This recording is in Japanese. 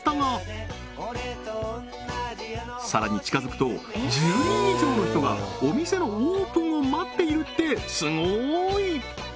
さらに近づくと１０人以上の人がお店のオープンを待っているってすごい！